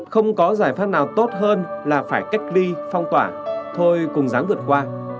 không có giải pháp nào tốt hơn là phải cách ly phong tỏa thôi cùng dám vượt qua